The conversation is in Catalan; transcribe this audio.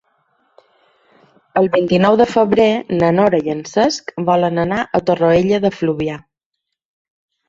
El vint-i-nou de febrer na Nora i en Cesc volen anar a Torroella de Fluvià.